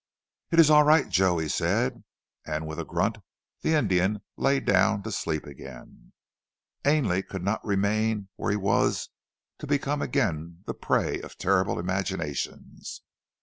"It is all right, Joe," he said, and with a grunt the Indian lay down to sleep again. Ainley could not remain where he was to become again the prey of terrible imaginations.